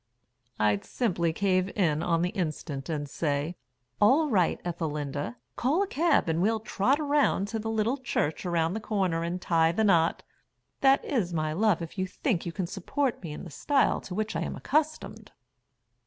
I'd simply cave in on the instant and say, 'All right, Ethelinda, call a cab and we'll trot around to the Little Church Around the Corner and tie the knot; that is, my love, if you think you can support me in the style to which I am accustomed."